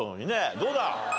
どうだ？